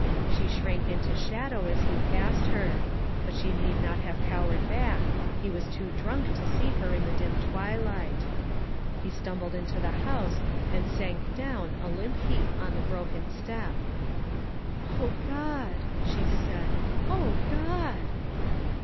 She shrank into shadow as he passed her; but she need not have cowered back ; he was too drunk to see her in the dim twilight. He stumbled into the house, and sank down a limp heap on the broken step. "O God!" she said, "O God!"